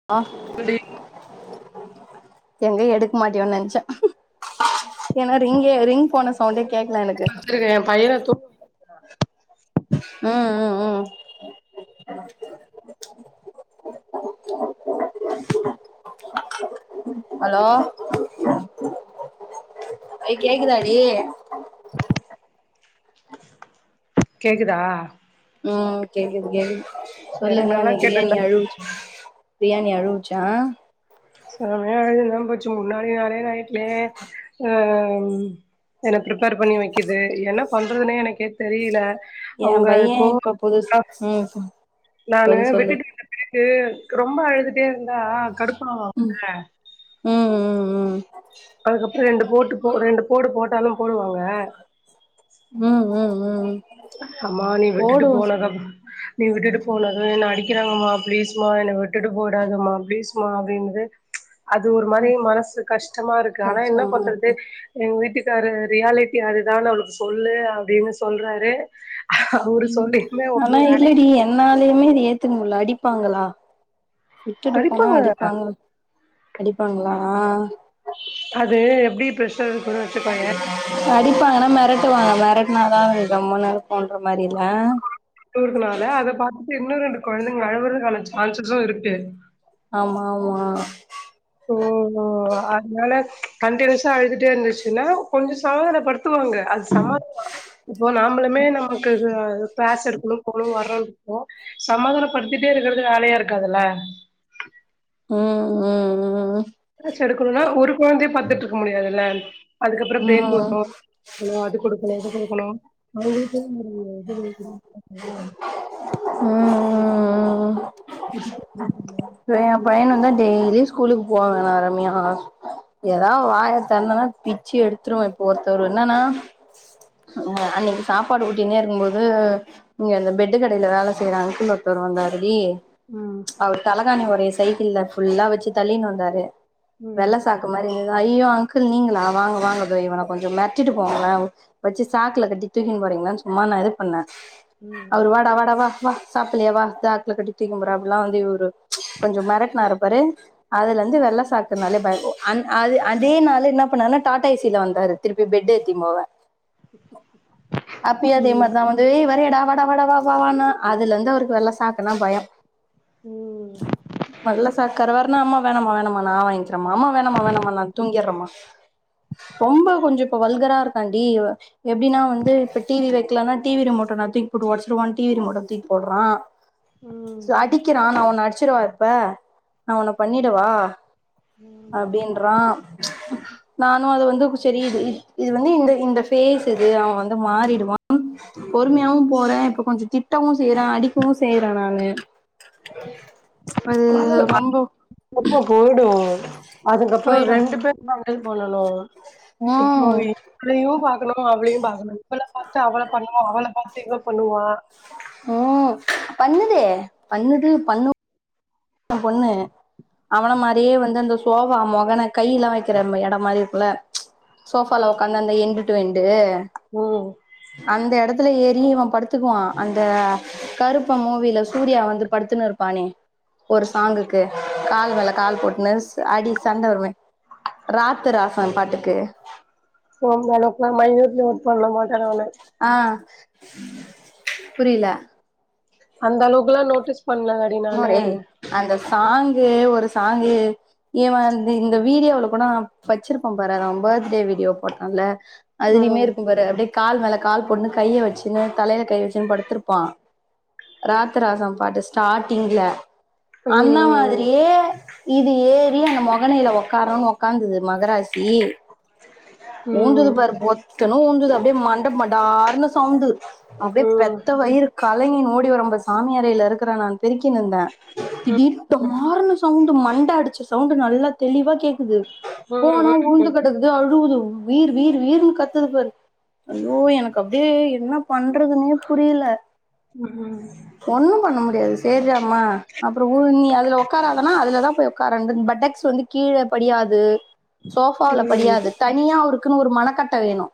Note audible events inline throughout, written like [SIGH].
ஆ [UNINTELLIGIBLE] எங்க எடுக்க மாட்டியோன்னு நெனச்சே ஏன்னா ரிங்கே ரிங் போன சவுண்டே கேக்ல எனக்கு ருக்கே பையன தூங் ம் ம் ம் ஹலோ ஐ கேக்குதாடி கேக்குதா ம் கேக்குது கேக்குது எனக்கு சொல்லுனா நல்லா நீ கேட்டுருந்தா பிரியாணி அழுவு பிரியாணி அழுவுச்சா சமையதுல்லான் போச்சு முன்னாடி நாளே நைட்லே என்ன ப்ரிப்பேர் பண்ணி வைக்கிது என்ன பண்ணுறதுனே எனக்கே தெரில ஏ பையே இப்ப புதுசு ம் நானு சொல்லு சொல்லு விட்டுட்டு வந்த பேருக்கு ரொம்ப அழுதுட்டேருந்தா கடுப்பாவுள்ள ம் ம் ம் அதுக்கப்றோ ரெண்டு போட்டு போ ரெண்டு போடு போட்டாலும் போடுவாங்க ம் ம் ம் அம்மா நீ விட்டுட்டு போடு போனக்கப்றோ நீ விட்டுட்டு போனதும் என்ன அடிக்கிறாங்கம்மா ப்ளீஸ்மா என்ன விட்டுட்டு போய்டாதம்மா ப்ளீஸ்மா அப்டிங்து அது ஒரு மாரி மனசு கஷ்டமாருக்கு ஆனா என்ன கஷ்டமா பண்றது இருக்கு எங்க வீட்டுக்காரு ரியாலிட்டி அதுதான்னு அவளுக்கு சொல்லு அப்டின்னு சொல்றாரு அவரு சொல்லியுமே ஆனா ஒண்ணு வேலைக்கு இல்லடி என்னாலயுமே இது ஏத்துக்க முடில அடிப்பாங்ளா விட்டுட்டுப்போனா அடிப்பாங்க அடிப்பாங்களா அது எப்டி ப்ரஷா இருக்குன்னு வச்சுக்கோயே அடிப்பாங்கன்னா மெரட்டுவாங்க மெரட்டுனாதா அதுங்க கம்முன்னு இருக்குன்ற மாரில்ல அழுவுறதுனால அத பாத்துட்டு இன்னும் ரெண்டு கொழந்தைங்க அழவுறதுக்கான சான்சசு இருக்கு ஆமா ஆமா ம் ம் அதனால கண்டனியூஸா அழுதுட்டேருந்துச்சுன்னா கொஞ்சோ சமாதானப்படுத் துவாங்க அது சமாதானோ ஆச்சு இப்போ நாமளுமே நமக்கு அ க்ளாஸ் எடுக்கணு போணு வரனு சமாதானப்படுத்திட்டே இருக்கிறது வேலயா இருக்காதுல்ல ம் ம் க்ளாஸ் எடுக்கணும்னா ஒரு கொழந்தையே பாத்துட்டு இருக்க முடியாதுல்ல அதுக்கப்றோ ம் ப்ரேக் ம் வரு அது குடுக்கனு இது குடுக்கணு அவுங்களுக்கு ஒரு இது [UNINTELLIGIBLE] ம் சோ ஏ பையனுந்தா டெய்லி ஸ்கூலுக்கு போவ வேணா ரம்யா ஏதாது வாய தொரந்தனா பிச்சு எடுத்துறுவே இப்ப ஒருத்தவரு என்னன்னா அன்னக்கி சாப்பாடு ஊட்டினே இருக்கும்போது நீங்க அந்த பெட்டு கடைல வேல செய்ற அங்கிள் ஒருத்தர் வந்தாருடி ம் அவர் தலகாணி ஒரய சைக்கிள் புல்லா வச்சு தள்ளினு வந்தாரு ம் வெள்ள சாக் கு மாரி இருந்துதே ஐயயோ அங்கிள் நீங்களா வாங்க வாங்க இதோ இவன கொஞ்சோ மெரட்டிட்டு போங்களே வெச்சு சாக்குல கட்டி தூக்கின்னு போறீங்களான்னு சும்மா இது பண்ண ம் அவரு வாடா வாடா வா வா சாப்லையா வா சாக்ள கட்டி தூக்குனு போற அப்பில்லா வந்து இவரு கொஞ்சோ மெரட்டுனாரு பாரு அதுலே இருந்து வெள்ள சாக் அதுனாலே பயோ அந் அதே அதே நாள்ல என்ன பண்ணாருனா டாடா ஏசியில வந்தாரு திருப்பி பெட் எத்தினு போவ அப்பயு அதே ம் மாரிதா வந் அதுவே வரியாடா வாடா வாடா வாடா வா வா அதுலேருந்து அவருக்கு வெள்ள சாக்குனா பயோ ம் வெள்ள சாக்கர வரனா அம்மா வேணமா வேணமா நா ஆ வாங்கிக்கிற மா மா வேணாமா வேணாம்மா நா தூங்கிற்றமா ரொம்ப கொஞ்சோ இப்ப வல்கரா இருக்கான்டி எப்டின்னா வந்து இப்ப டிவி ல குக்கல்லனா டிவி ரிமோட்ட நா தூக்கி போட்டு ஒடச்சுருவ டிவி ரிமோட்ட தூக்கி போட்றா ம் அடிக்கிறா நா உன்ன அடிச்சுடவா இப்ப நா உன்ன பண்ணிடவா அப்டின்றா நானு அது வந்து சேரி இது இது வந்து இந்த பேஸ் இது அவ வந்து மாறிடுவா பொறுமையாவு போற இப்ப கொஞ்சோ திட்டவு செய்யறே அடிக்கவு செய்யறே நானு அது [INAUDIBLE] ரொம்போ அதுக்கப்றோ போயிடு ரெண்டு பேர் [UNINTELLIGIBLE] பண்ணணு இப்போ ம் இவங்களையு பாக் இவளையு அவளையு பாக்கனு இவள பாத்து அவ பண்ணுவா அவள பாத்து இவ பண்ணுவா ம் பண்ணுதே பண்ணுது பண்ணு ஏ பொண்ணு அவன மாரியே வந்து அந்த சோபா மொகன கை எல்லா வைக்கிற எட மாரி இருக்குல்ல சோபால உக்காந்து அந்த என்டு டு எண்டு ம் அந்த எடத் துல ஏறி படுத்துக்குவா அந்த கருப்பு மூவில சூர்யா வந்து படுத்துன்னு இருப்பானே ஒரு சாங்குக்கு கால் மேல கால் போட்டுன்னு அடி சண்ட வருமே ராத்து ராசன் பாட்டுக்கு சோ அந்த அளவுக்கு எல்லா மைனூட்ட நோட் பண்ண மாட்ட நானு ஆ புரியில அந்த அளவுக்குல்லா நோட்டீஸ் பண்ல நா [UNINTELLIGIBLE] அந்த சாங்கு ஒரு சாங்கு இவ இந்த வீடியோல கூட நா வெச்சிருப்பா பாரு அத அவ பர்த்டே வீடியோ போட்டான்ல அதுலயுமே ம் இருக்கு பாரு அப்டியே கால் மேல கால் போட்டுண்ணு கைய வெச்சுன்னு தலையில கை வெச்சுன்னு படுத்திருப்பா ராத்தராச பாட்டு ஸ்டார்டிங்ல அந்த ம் மாதிரியே இது ஏறி அந்த மொகனையில உக்காரேன்னு உக்காந்துது மகராசி ஊந்துது ம் பாரு பொத்துனு ஊந்துது அப்டினு மண்ட மடாருன்னு சவுண்ட் அப்டியே ம் பெத்த வயிறு கலங்கினு ஓடி வர பாரு சாமி அறையில இருக்கிறே நானு பெருக்கினு இருந்தே திடீர்னு டமார்னு சவுண்டு மண்ட அடிச்ச சவுண்டு நல்லா தெளிவா கேக்குது ம் ம் ம் போனா உழுந்து கெடக்குது அழுவுது வீர் வீர் வீர்ன்னு கத்துது பாரு அய்யோ எனக்கு அப்டியே என்ன பண்றதுன்னே புரியல ம் ஒண்ணு பண்ண முடியாது சேர்ராம்மா அப்றோ உழு நீ அதுல உக்காராதன்னா அதுலதா போய் உக்கார்ர பட்டக்ஸ் வந்து கீழ படியாது சோஃபால ம் படியாது தனியா அவருக்குன்னு ஒரு மனக்கட்ட வேணு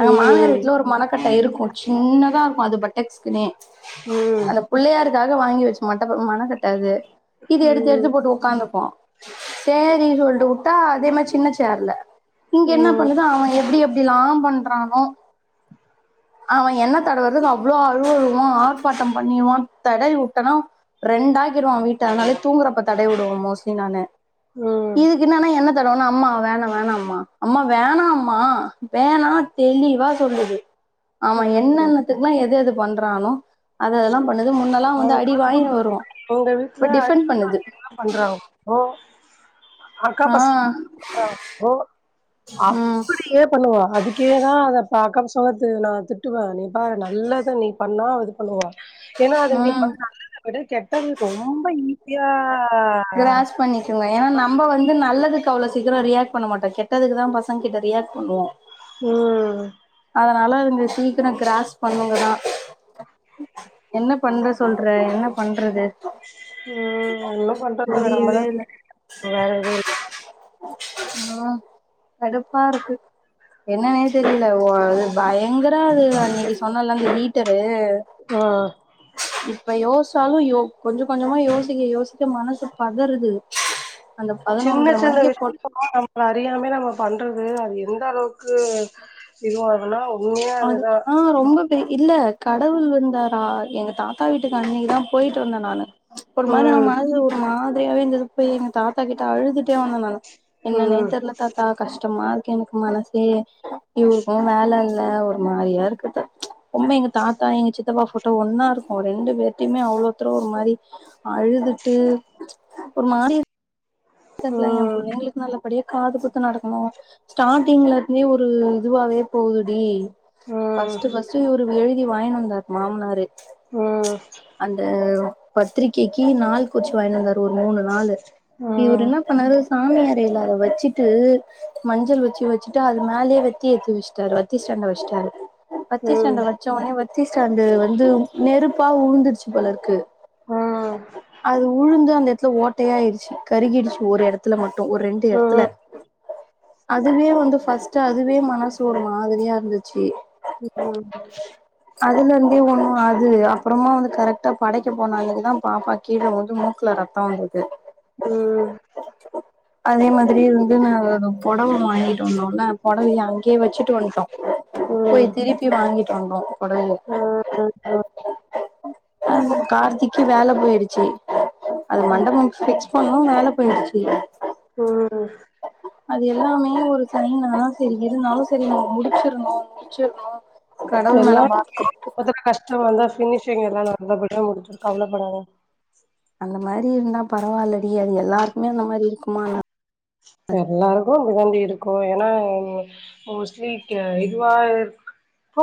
அங்க மாமியார் வீட் ஒரு மனக்கட்ட இருக்கு சின்னதா இருக்கு அது பட்டக்ஸ்குன்னே அந்த புள்ளையார்காக வாங்கி வெச்ச மட்ட மனகட்ட அது இது எடுத்து ம் எடுத்து போட்டு உக்காந்துக்கு சேரி சொல்லிட்டு உட்டா அதே மாரி சின்ன சேர்ல இங்க என்ன ம் பண்ணுதோ அவ எப்டி எப்டி எல்லா பண்றானோ அவ என்ன தடவுறதுக்கு அவ்ளோ அழ அழுவா ஆர்ப்பாட்டம் பண்ணிடுவா தடய் உட்டனா ரெண்டா கிடுவா வீட்ட அதனால தூங்குறப்ப தடவி விடுவோ மோஸ்ட்லி நானு ம் இதுக்கு என்னன்னா என்ன தடவனா அம்மா வேணா வேணா அம்மா அம்மா வேணாம்மா வேணா தெளிவா சொல்லுது ஆமா என்னென்னத்துக்குல்லா எத எது பண்றானோ அததெல்லா பண்ணுது முன்னல்லா வந்து ம் அடி வாங்கினு வருவோ இப்ப டிஃபன் பண்ணுது பன்றாங்கப்போ அக்கா ஆ பசங்க இருக்காங்கோ ம் அப்புடியே பண்ணுவா அதுக்கே தா அத பாக்கம் சொன்னது நா திட்டுவே நீ பாரு நல்லது நீ பண்ணா இது பண்ணுவா ஏன்னா அதுங்களுக்கு ம் வந்து நல்லத விட கெட்டது ரொம்ப ஈஸியா கிராச் பண்ணிக்கோங்க ஏன்னா நம்ப வந்து நல்லதுக்கு அவ்வளோ சீக்கிரம் ரியாக்ட் பண்ண மாட்டோ கெட்டதுக்கு தா பசங்க கிட்ட ரியாக்ட் பண்ணுவோ உம் அதனால அதுங்க சீக்கிரோ கிராஸ் பண்ணுங்க தா என்ன பண்ற சொல்ற என்ன பண்றது ம் இன்னு பண்றதுல்ல புரியவே நம்மதா இல்ல [UNINTELLIGIBLE] வேற எது இல்ல ஆ கடுப்பா இருக்கு என்னன்னே தெரிய இல்லஓ அது பயங்கர அது நீங்க சொன்னல அந்த வீட்டரு ஆ இப்ப யோசிச்சாலு யோ கொஞ்ச கொஞ்சமா யோசிக்க யோசிக்க மனசு பதறுது அந்த சின்ன பதினொன்ற சின்ன மணிக்கு போட்ட விஷயங்கள்லா நம் அது அறியாமே நம்ம பண்றது அது எந்த அளவுக்கு இது ஆதுனா அது ஆ ரொம்ப இல்ல கடவுள் வந்தாரா எங்க தாத்தா வீட்டுக்கு அன்னைக்குதா போயிட்டு வந்தே நானு ஒரு மாரி ம் நம் மனது ஒரு மாதிரியாவே இருந்தது போய் எங்க தாத்தா கிட்ட அழுதுட்டே வந்தே நா என்னனே ம் தெர்ல தாத்தா கஷ்டமா இருக்கு எனக்கு மனசே இவருக்கு வேல இல் இல்ல ஒரு மாரியா இருக்குது உம்ப எங்க தாத்தா எங்க சித் சித்தப்பா போட்டோ ஒன்னா இருக்கு ரெண்டு பேர்டயுமே அவ்ளோ தர ஒரு மாரி அழுதுட்டு ஒரு மாறி [UNINTELLIGIBLE] எ ம் பிள்ளைங்களுக்குல்லே நல்ல அப்படியே காதுகுத்து நடக்கணு ஸ்டார்டிங்ல இருந்தே ஒரு இதுவாவே போகுதுடி ம் பஸ்ட்டு பஸ்ட்டு இவ்ரு எழுதி வாங்கினு வந்தாரு மாமனாரு ம் அந்த பத்திரிகைக்கி நாள் குறிச்சு வாய்ங்னு வந்தாரு ஒரு மூணு நாளு இவரு என்ன ம் பண்ணாறு சாமி அறையில அத வச்சுட்டு மஞ்சள் வச்சு வச்சிட்டு அது மேலே வெத்தி ஏத்தி வச்சு அவரு வத்திஷ்டான்ட வஷ்டாரு பத்தி ம் ஸ்டாண்ட வச்ச உனே வத்தி ஸ்டாண்டு வந்து நெருப்பா உழுந்துருச்சு போல இருக்கு ம் அது உழுந்து அந்த இடத்துல ஓட்டையாயிருச்சு கருகிடுச்சு ஒரு இடத் த்துல மட்டு ஒரு ரெண்டு ம் இடத்துல அதுவே வந்து ஃபஸ்ட்டு அதுவே மனசு ஒரு மாதிரியா இருந்துச்சு உம் அதுல இருந்தே ஒண்ணு அது அப்புறமா வந்து கரெக்டா படைக்க போன அதுக்கு தா பாப்பா கீழ விழுந்து மூக்குல ரத்தோ வந்தது ம் ம் அதே மாதிரி வந்து நா பொடவ வாங்கிட்டு வந்தோன்ல அதைய அங்கே வச்சுட்டு வன்ட்டோ போய் திருப்பி வாங்கிட்டு வந்தோ பொடவய ஓ ஓ ஓ அ கார்த்திக்கு வேல போயிடுச்சு அது மண்டபம் ஸ்கெட்ச் பண்ணு வேல போயிடுச்சு [UNINTELLIGIBLE] அது எல்லாமே ஒரு சனியனாலதா செரி இருந்தாலு செ ரி நா முடிச்சிர்ணு ச்சோ எல்லா எது கஷ்ட வந்தா ஃபினிஷிங் எல்லா நல்லபடியா முடிஞ்ச்சிரு கவலப்படாத அந்த மாரி இருந்தா பரவாயில்லடி அது எல்லாருக்குமே அந்த மாரி இருக்குமா எல்லாருக்கு இப்டி தாண்டி இருக்கு ஏன்னா மோஸ்ட்லி இதுவா இருக் போ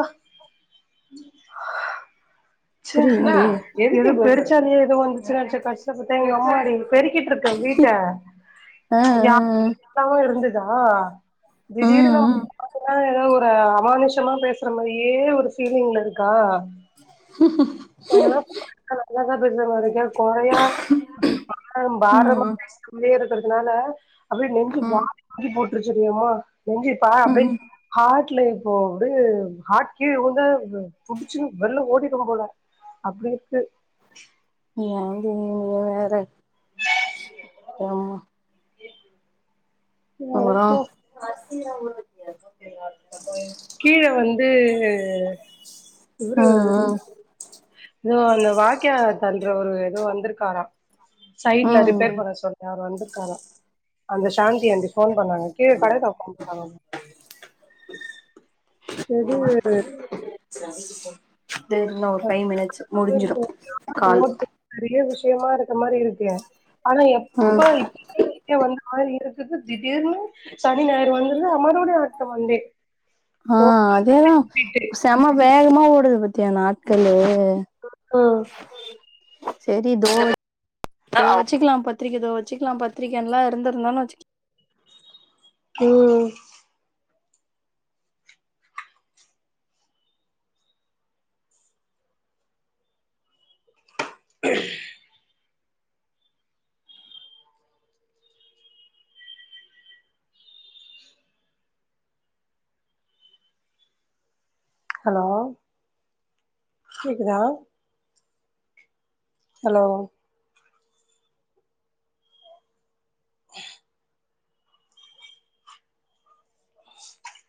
ச்ச புரியல என்னடி எதுக்கு பெருச்சாளியோ ஏதோ வந்துச்சு அடிச்சேன் கஷ்டப்பட்டு எம்மாடி பெருக்கிட்ருக்க வீட்ட ஆ ஆ எ அக்காவு இருந்துதா ஆ திடீருனு ம் [UNINTELLIGIBLE] எதா ஒரு அமானுஷமா பேசுற மாரியே ஒரு ஃபீலிங்ல இருக்கா எங்கப் அதப்டிதா நா பேசுறா மாரி கேப்போ கொறயா பாரமா ம் பேசினே இருக்குறதுனால அப்டியே நெஞ்சு ம் வாரி வாரி போட்டுருச்சுடி எம்மா நெஞ்சுப்பா அப்டியே ம் ஹாட்ல இப்போ அப்டே ஹாட் கீழ உழுந்த புடிச்சுன் வெள்ல ஓடிடு போல அப்டி இருக்கு ஏன்டி நீ வேற ப்பா நீ வா இப்போ கீழ வந்து இவரு ம் தோ அந்த வாய்க்கா பண்றவரு எதோ வந்திருக்காரா சைட்ல ம் ரிப்பேர் ம் பண்ண சொ யார் வந்திருக்காரா அந்த சாந்தி ஆண்டி ஃபோன் பண்ணாங்க கீழ கட தொறக்க வந்துருக்காங்களா [UNINTELLIGIBLE] தோ இன்னோ ஒரு ஃபைவ் மினிட்ஸ் முடிஞ்சிடும் கால் நெறய விஷயமா இருக்க மாரி இருக்கு ஆனா எப்ப வந்த மாரி இருக்குது திடீர்னு சனி ஞாயிர் வந்துர்து மறுபடியு அடுத்த மண்டே ஆ அதேதா ரிப்பீட்டு. செம வேகமா ஓடுது பத்தியா நாட்களு ஓ செரி தோ தோ வச்சுக்கலா பத்திரிக்க தோ வச்சுக்கலா பத்திரிக்கல்லான் இருந்துர்லான் வச்சுக ம் ஹலோ கேக்குதா ஹலோ